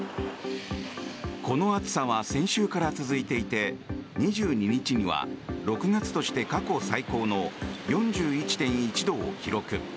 この暑さは先週から続いていて２２日には６月として過去最高の４１．１度を記録。